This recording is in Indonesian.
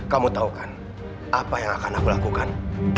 kamu tahu kan apa yang akan aku lakukan